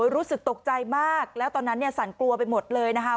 รู้สึกตกใจมากแล้วตอนนั้นเนี่ยสั่นกลัวไปหมดเลยนะคะ